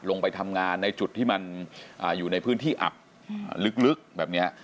ลงไปทำงานในจุดที่มันอยู่ในพื้นที่อับลึกแบบนี้